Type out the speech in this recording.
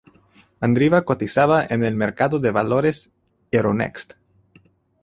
Mandriva cotizaba en el mercado de valores Euronext.